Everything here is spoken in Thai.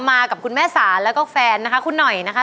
มากับคุณแม่สาแล้วก็แฟนนะคะคุณหน่อยนะคะ